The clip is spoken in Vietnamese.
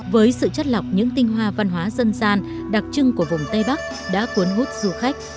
với sự chất lọc những tinh hoa văn hóa dân gian đặc trưng của vùng tây bắc đã cuốn hút du khách